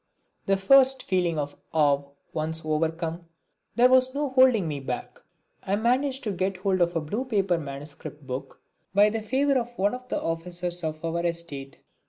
The first feeling of awe once overcome there was no holding me back. I managed to get hold of a blue paper manuscript book by the favour of one of the officers of our estate.